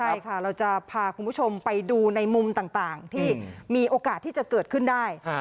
ใช่ค่ะเราจะพาคุณผู้ชมไปดูในมุมต่างที่มีโอกาสที่จะเกิดขึ้นได้